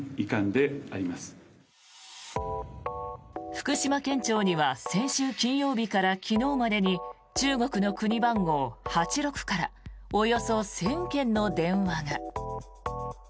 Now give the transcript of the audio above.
福島県庁には先週金曜日から昨日までに中国の国番号８６からおよそ１０００件の電話が。